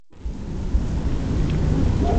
baina ya Tanzania na Uganda na mwisho wa utawala wake